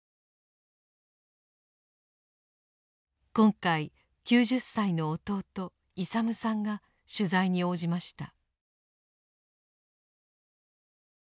今回９０歳の弟勇さんが取材に応じました。